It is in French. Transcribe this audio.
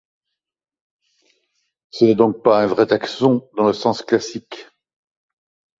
Ce n'est donc pas un vrai taxon dans le sens classique.